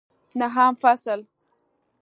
نهم فصل